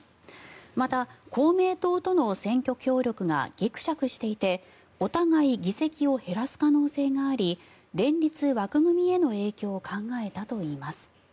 また、公明党との選挙協力がぎくしゃくしていてお互い議席を減らす可能性があり連立枠組みへの影響を考えたといいます。